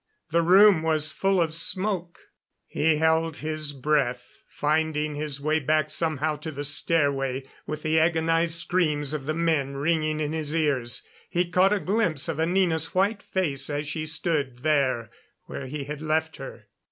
The room was full of smoke. He held his breath, finding his way back somehow to the stairway, with the agonized screams of the men ringing in his ears. He caught a glimpse of Anina's white face as she stood there where he had left her.